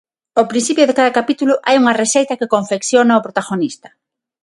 Ao principio de cada capítulo hai unha receita que confecciona o protagonista.